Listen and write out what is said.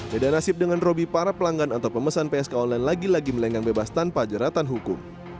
beda nasib dengan roby para pelanggan atau pemesan psk online lagi lagi melenggang bebas tanpa jeratan hukum